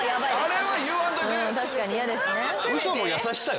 確かに嫌ですね。